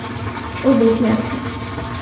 ও বেঁচে আছে।